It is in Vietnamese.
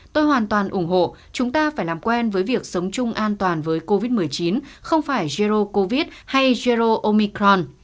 tôi hoàn toàn ủng hộ chúng ta phải làm quen với việc sống chung an toàn với covid một mươi chín không phải jero covid hay jero omicron